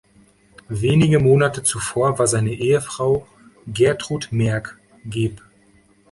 Wenige Monate zuvor war seine Ehefrau Gertrud Merck geb.